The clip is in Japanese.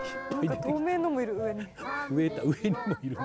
何か透明のもいる上に。